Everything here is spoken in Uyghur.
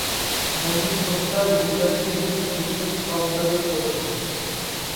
مۇھىم نۇقتا يېتەرلىك سۆزلۈك ئامبىرى بولۇش.